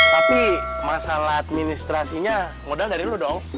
tapi masalah administrasinya modal dari dulu dong